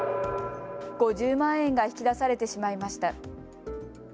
５０万円が引き出されてしまいました。